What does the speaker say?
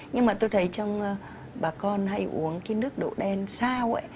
nhưng mà tôi thấy trong bà con hay uống cái nước đậu đen sao ạ